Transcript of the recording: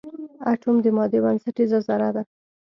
اټوم د مادې بنسټیزه ذره ده.